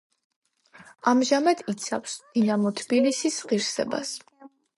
ამჟამად იცავს „დინამო თბილისის“ ღირსებას.